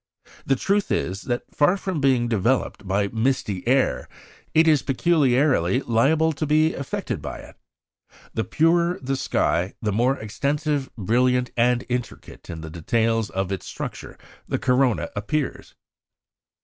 The truth is, that far from being developed by misty air, it is peculiarly liable to be effaced by it. The purer the sky, the more extensive, brilliant, and intricate in the details of its structure the corona appears.